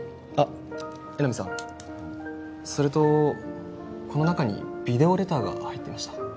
あっ江波さんそれとこの中にビデオレターが入ってました。